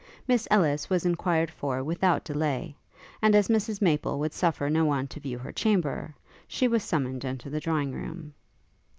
Miss Ellis was enquired for without delay, and as Mrs Maple would suffer no one to view her chamber, she was summoned into the drawing room.